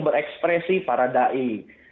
berekspresi para da'i